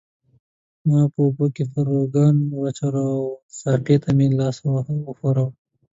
ما په اوبو کې پاروګان ورواچول او وه ساقي ته مې لاس وښوراوه.